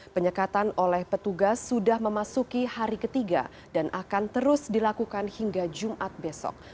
penyekatan oleh petugas sudah memasuki hari ketiga dan akan terus dilakukan hingga jumat besok